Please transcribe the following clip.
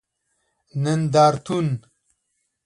نندارتون